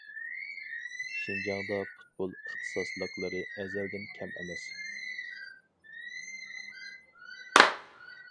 شىنجاڭدا پۇتبول ئىختىساسلىقلىرى ئەزەلدىن كەم ئەمەس.